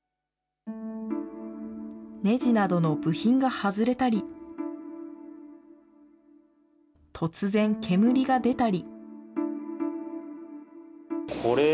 ねじなどの部品が外れたり、突然、煙が出たり。